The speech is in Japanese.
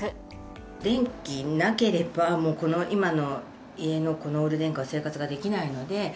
電気なければ、もう今の家のこのオール電化、生活ができないので。